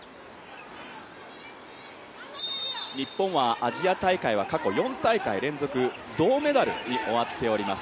日本はアジア大会は過去４大会連続銅メダルに終わっております。